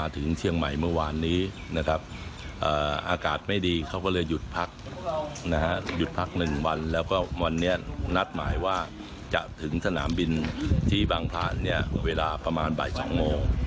ถึงสนามบินที่บางพันธุ์เนี่ยเวลาประมาณบ่ายสองโมง